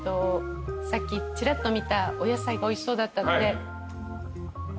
さっきチラッと見たお野菜がおいしそうだったので。